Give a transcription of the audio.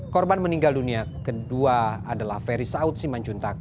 korban meninggal dunia kedua adalah feri saud siman juntak